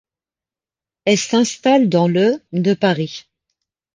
Elle s’installe dans le de Paris.